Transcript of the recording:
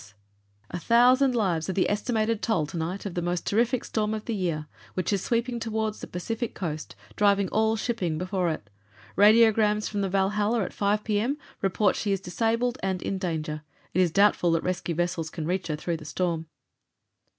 S. "A thousand lives are the estimated toll to night of the most terrific storm of the year, which is sweeping toward the Pacific coast, driving all shipping before it. Radiograms from the Valhalla at 5 P. M. report that she is disabled and in danger. It is doubtful that rescue vessels can reach her through the storm."